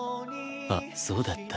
あっそうだった